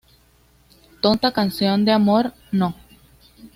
Tonta Canción de Amor No.